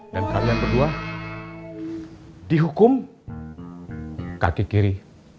dan kalian berdua dihukum kaki kiri